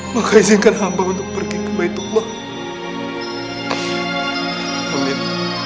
maka izinkan hamba untuk pergi kebaik tuhan